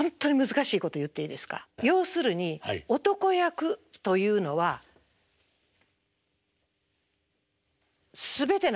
要するに男役というのは全てなんです。